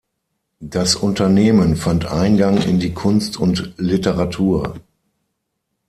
Das Unternehmen fand Eingang in die Kunst und Literatur.